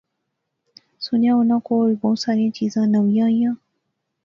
سُنیا اوناں کول بہوں ساریاں چیزاں نویاں ایاں